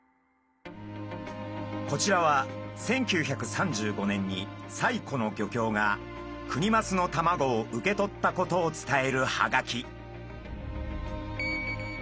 こちらは１９３５年に西湖の漁協がクニマスの卵を受け取ったことを伝えるハガキ。